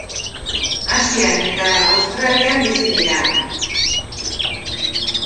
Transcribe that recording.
Asian eta Australian bizi dira.